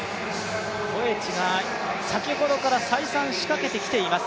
コエチが先ほどから再三、仕掛けてきています。